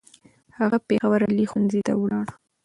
هغه پېښور عالي ښوونځی ته ولاړ.